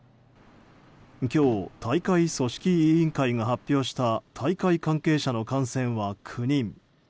今日、大会組織委員会が発表した大会関係者の感染は９人。